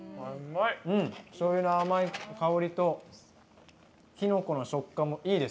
しょうゆの甘い香りときのこの食感もいいです。